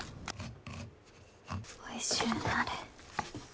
おいしゅうなれ。